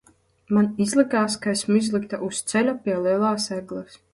Man izlikās, ka esmu izlikta uz ceļa pie lielās egles.